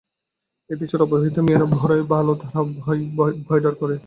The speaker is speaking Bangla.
এদেশের অবিবাহিত মেয়েরা বড়ই ভাল, তারা ভয় ডর করে।